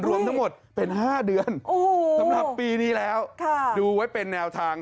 สำหรับปีนี้แล้วดูว่าเป็นแนวทาง